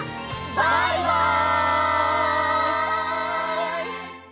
バイバイ！